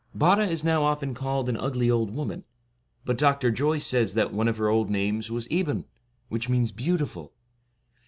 ' Bare is now often called an ugly old woman; but Dr. Joyce says that one of her old names was Aebhin, which means beautiful.